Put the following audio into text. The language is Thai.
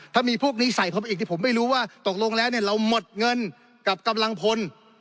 ถ้ามีพวกนี้ใส่เข้าไปอีกที่ผมไม่รู้ว่าตกลงแล้วเราหมดเงินกับกำลังพล